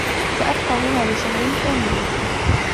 سأبقى هنا لشهر كامل.